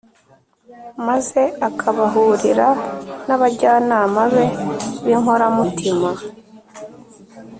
maze akahahurira n’abajyanama be b’inkoramutima,